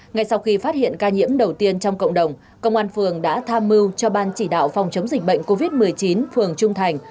ngay sau khi phát hiện ca nhiễm đầu tiên trong cộng đồng công an phường đã tham mưu cho ban chỉ đạo phòng chống dịch bệnh covid một mươi chín phường trung thành